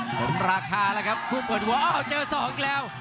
สมราคาแล้วครับคู่เปิดหัวอ้าวเจอสองอีกแล้ว